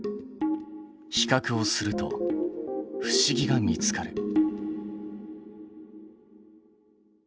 比較をすると不思議が見つかる。